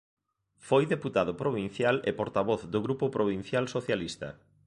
Foi deputado provincial e portavoz do grupo provincial socialista.